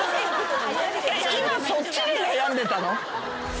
今そっちで悩んでたの？